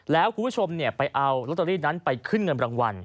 แล้วคุณผู้ชมไปเอาลอตเตอรี่นั้นไปขึ้นเงินรางวัล